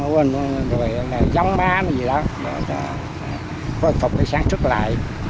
dống ba gì đó phân phục sáng trước lại